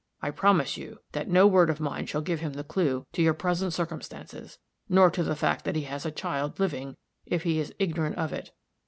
I promise you that no word of mine shall give him the clue to your present circumstances, nor to the fact that he has a child living, if he is ignorant of it.